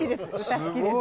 歌好きです